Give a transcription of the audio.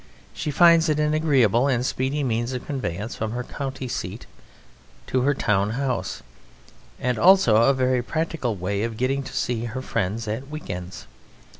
She finds it an agreeable and speedy means of conveyance from her country seat to her town house, and also a very practical way of getting to see her friends at week ends.